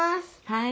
はい。